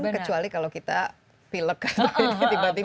kecuali kalau kita pilek tiba tiba